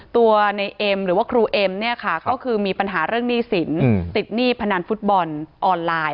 ตัวในเอ็มหรือว่าครูเอ็มเนี่ยค่ะก็คือมีปัญหาเรื่องหนี้สินติดหนี้พนันฟุตบอลออนไลน์